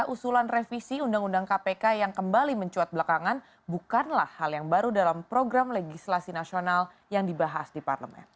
usulan revisi undang undang kpk yang kembali mencuat belakangan bukanlah hal yang baru dalam program legislasi nasional yang dibahas di parlemen